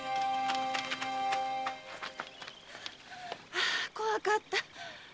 あ怖かった。